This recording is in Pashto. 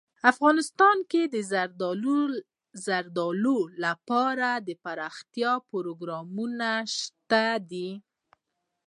افغانستان کې د زردالو لپاره دپرمختیا پروګرامونه شته دي.